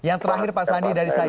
yang terakhir pak sandi dari saya